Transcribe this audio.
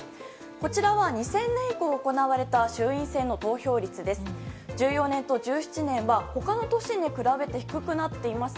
こちらは２０００年以降行われた衆院選の投票率です。